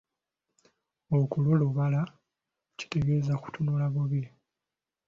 Okulolobala kitegeeza kutunula bubi.